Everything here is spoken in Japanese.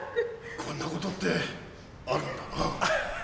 こんなことってあるんだな。